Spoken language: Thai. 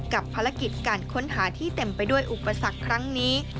กับภารกิจการค้นหาที่เต็มไปด้วยอุปสรรคครั้งนี้